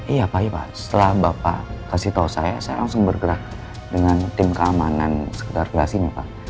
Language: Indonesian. iya pagi pak setelah bapak kasih tahu saya saya langsung bergerak dengan tim keamanan sekitar kelas ini pak